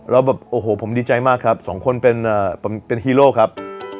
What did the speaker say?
แล้วแบบโอ้โหผมดีใจมากครับสองคนเป็นฮีโร่ครับ